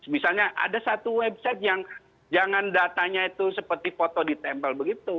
misalnya ada satu website yang jangan datanya itu seperti foto ditempel begitu